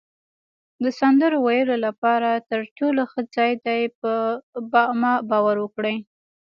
د سندرو ویلو لپاره تر ټولو ښه ځای دی، په ما باور وکړئ.